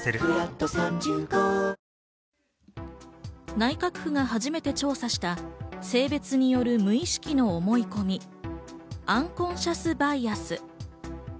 内閣府が初めて調査した、性別による無意識の思い込み、アンコンシャス・バイアス。